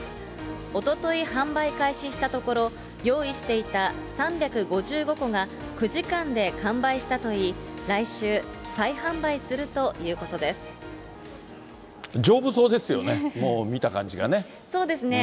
おととい販売開始したところ、用意していた３５５個が９時間で完売したといい、来週、再販売す丈夫そうですよね。